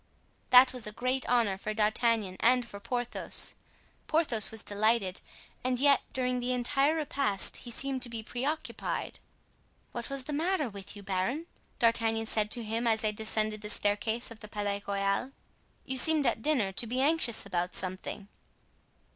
That was a great honor for D'Artagnan and for Porthos. Porthos was delighted; and yet during the entire repast he seemed to be preoccupied. "What was the matter with you, baron?" D'Artagnan said to him as they descended the staircase of the Palais Royal. "You seemed at dinner to be anxious about something."